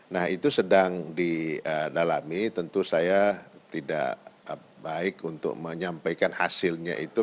nah itu sedang didalami tentu saya tidak baik untuk menyampaikan hasilnya itu